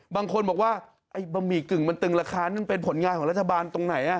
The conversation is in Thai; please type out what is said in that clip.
บางคนบอกว่าไอ้บะหมี่กึ่งมันตึงราคานี่มันเป็นผลงานของรัฐบาลตรงไหน